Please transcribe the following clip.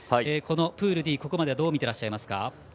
プールＤ、ここまではどう見ていらっしゃいますか？